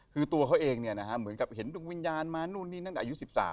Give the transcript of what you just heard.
คือตัวเขาเองเหมือนกับเห็นดวงวิญญาณมานู่นนี่นั่นอายุ๑๓